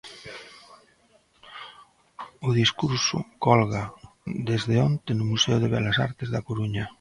O discurso colga desde onte no Museo de Belas Artes da Coruña.